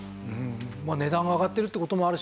値段が上がってるって事もあるし